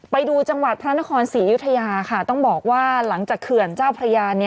ไปดูจังหวัดพระนครศรีอยุธยาค่ะต้องบอกว่าหลังจากเขื่อนเจ้าพระยา